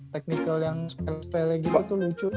technical yang spell spellnya gitu tuh lucu